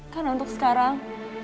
kan untuk sekarang